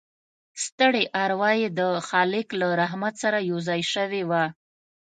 ستړې اروا يې د خالق له رحمت سره یوځای شوې وه